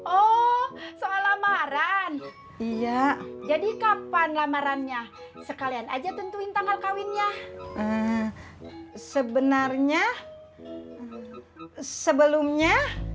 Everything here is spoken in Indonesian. oh soal lamaran iya jadi kapan lamarannya sekalian aja tentuin tanggal kawinnya sebenarnya sebelumnya